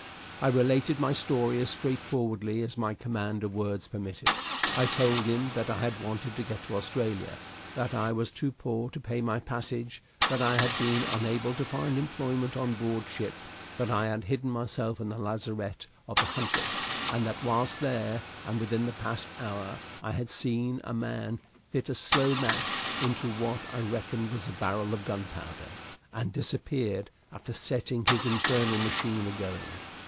I related my story as straightforwardly as my command of words permitted. I told him that I had wanted to get to Australia, that I was too poor to pay my passage, that I had been unable to find employment on board ship, that I had hidden myself in the lazarette of the "Huntress," and that whilst there, and within the past hour, I had seen a man fit a slow match into what I reckoned was a barrel of gunpowder, and disappear after setting his infernal machine a going.